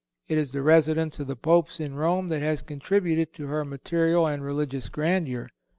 It is the residence of the Popes in Rome that has contributed to her material and religious grandeur.